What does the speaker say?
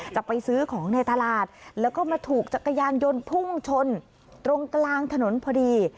จะไปซื้อของในตลาดแล้วก็มาถูกจักรยานยนต์พุ่งชนตรงกลางถนนพอดี